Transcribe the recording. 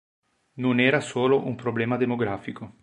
Non era solo un problema demografico.